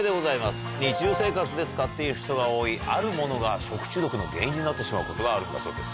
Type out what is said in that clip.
日常生活で使っている人が多いあるものが食中毒の原因になってしまうことがあるんだそうです。